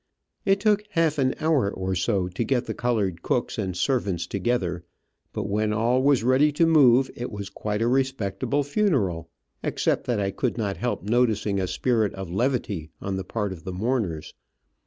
It took half an hour or so to get the colored cooks and servants together, but when all was ready to move, it was quite a respectable funeral, except that I could not help noticing a spirit of levity on the part of the mourners.